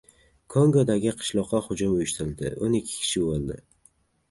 Kongodagi qishloqqa hujum uyushtirildi. o'n ikki kishi o‘ldi